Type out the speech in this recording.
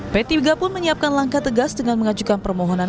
p tiga pun menyiapkan langkah tegas dengan mengajukan permohonan